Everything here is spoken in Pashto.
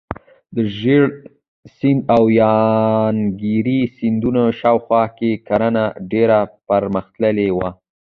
د ژیړ سیند او یانګزي سیندونو شاوخوا کې کرنه ډیره پرمختللې وه.